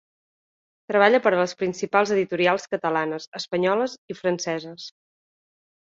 Treballa per a les principals editorials catalanes, espanyoles i franceses.